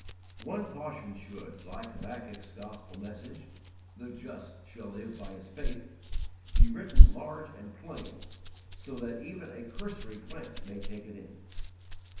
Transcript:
One caution should, like Habakkuk's gospel message "The just shall live by his faith" be written large and plain so that even a cursory glance may take it in.